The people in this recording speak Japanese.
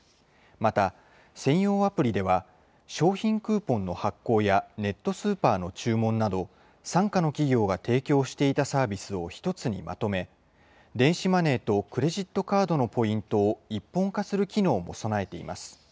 また、専用アプリでは、商品クーポンの発行やネットスーパーの注文など、傘下の企業が提供していたサービスを１つにまとめ、電子マネーとクレジットカードのポイントを一本化する機能も備えています。